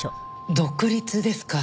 独立ですか？